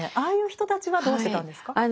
ああいう人たちはどうしてたんですか？